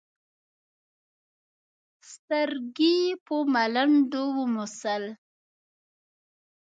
سرګي په ملنډو وموسل.